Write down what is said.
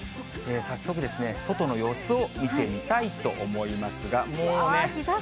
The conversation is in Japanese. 早速、外の様子を見てみたいと思いますが、もうね。